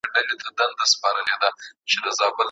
قدرت بايد د خلګو د ملاتړ له لاري ترلاسه سي.